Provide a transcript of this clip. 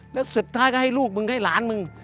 แล้วสุดท้ายก็ให้ลูกมึงให้หลานมึง